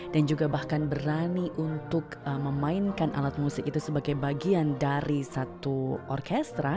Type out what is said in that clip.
dan juga bahkan berani untuk memainkan alat musik itu sebagai bagian dari satu orkestra